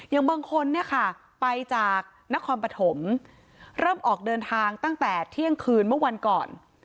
อย่างบางคนเนี่ยค่ะไปจากนครปฐมเริ่มออกเดินทางตั้งแต่เที่ยงคืนเมื่อวันก่อน